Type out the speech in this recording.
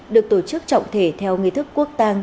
được tổ chức trọng thể theo nghị thức quốc tang